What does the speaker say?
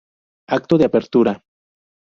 Acto de apertura